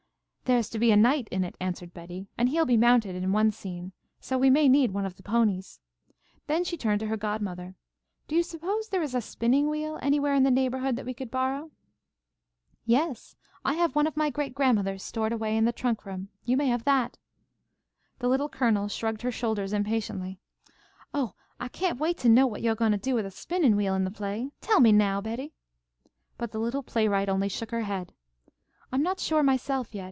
"There's to be a knight in it," answered Betty, "and he'll be mounted in one scene. So we may need one of the ponies." Then she turned to her godmother. "Do you suppose there is a spinning wheel anywhere in the neighbourhood that we could borrow?" "Yes, I have one of my great grandmother's stored away in the trunk room. You may have that." The Little Colonel shrugged her shoulders impatiently. "Oh, I can't wait to know what you're goin' to do with a spinnin' wheel in the play. Tell me now, Betty." But the little playwright only shook her head "I'm not sure myself yet.